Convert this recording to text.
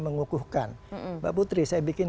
mengukuhkan mbak putri saya bikin